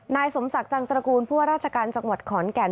นายสมศักดิ์จังตระกูลผู้ว่าราชการจังหวัดขอนแก่น